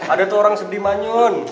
ada tuh orang sedih manyun